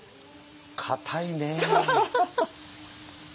硬いね。